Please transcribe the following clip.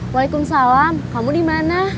waalaikumsalam kamu dimana